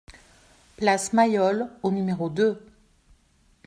Place Mayol au numéro deux